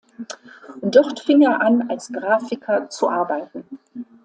Dort fing er an als Grafiker zu arbeiten.